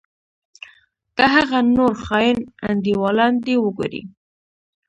که هغه نور خاين انډيوالان دې وګورې.